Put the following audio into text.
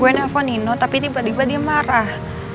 gue nelfon nino tapi tiba tiba dia marah